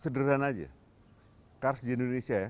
sederhan saja kars di indonesia ya